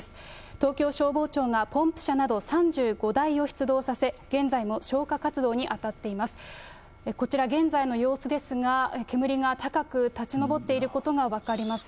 東京消防庁がポンプ車など３５台を出動させ、現在も消火活動に当たっています。